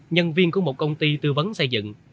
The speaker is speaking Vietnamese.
nhân viên của một công ty tư vấn xây dựng